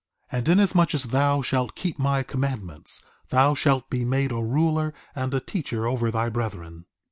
2:22 And inasmuch as thou shalt keep my commandments, thou shalt be made a ruler and a teacher over thy brethren.